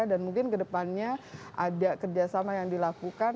dan mungkin kedepannya ada kerjasama yang dilakukan